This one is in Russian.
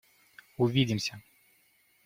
Увидимся!